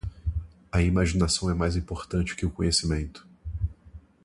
A imaginação é mais importante que o conhecimento.